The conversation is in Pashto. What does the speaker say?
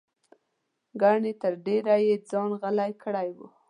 ګنې تر ډېره یې ځان غلی کړی و.